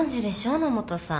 野本さん。